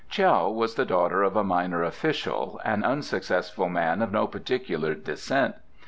Tiao was the daughter of a minor official, an unsuccessful man of no particular descent.